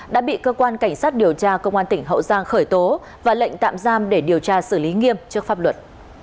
đã bị cơ quan cảnh sát điều tra công an tỉnh hậu giang khởi tố và lệnh tạm giam để điều tra xử lý nghiêm trước pháp luật